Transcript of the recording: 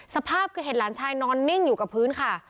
สภาพคือเห็นหลานชายนอนนิ่งอยู่กับพื้นค่ะ